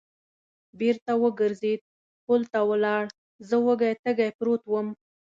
بېرته و ګرځېد، پل ته ولاړ، زه وږی تږی پروت ووم.